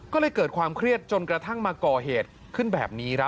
ก็เลยเกิดความเครียดจนกระทั่งมาก่อเหตุขึ้นแบบนี้ครับ